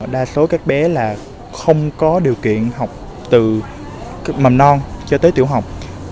đa số các bé là không có điều kiện học từ mầm non cho tới tiểu học